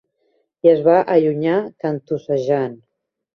I es va allunyar cantussejant.